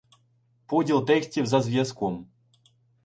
Поділ текстів за зв'язком